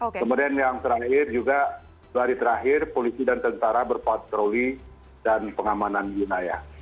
kemudian yang terakhir juga dua hari terakhir polisi dan tentara berpatroli dan pengamanan yunayah